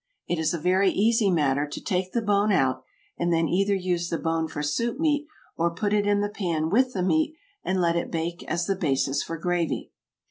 It is a very easy matter to take the bone out, and then either use the bone for soup meat or put it in the pan with the meat and let it bake as the basis for gravy.